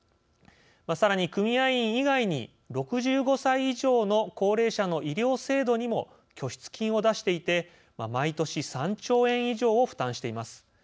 さらに組合員以外に６５歳以上の高齢者の医療制度にも拠出金を出していて毎年３兆円以上を負担しています。